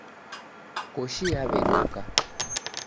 Koshi yawedoka